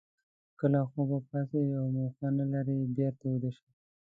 که له خوبه پاڅېږئ او موخه نه لرئ بېرته ویده شئ.